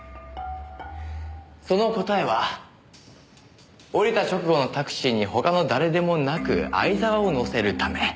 その答えは降りた直後のタクシーに他の誰でもなく相沢を乗せるため。